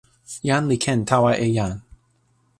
jan li ken tawa e jan.